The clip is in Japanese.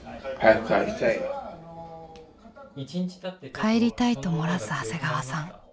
「帰りたい」と漏らす長谷川さん。